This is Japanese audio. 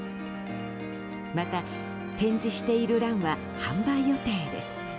また展示しているランは販売予定です。